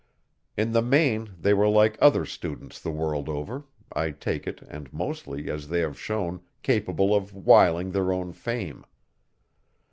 In the main they were like other students the world over, I take it' and mostly, as they have shown, capable of wiling their own fame.